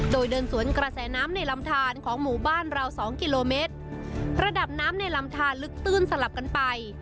โดยเดินสวนกระแสน้ำในลำทานของหมู่บ้านเราสองกิโลเมตรระดับน้ำในลำทานลึกตื้นสลับกันไป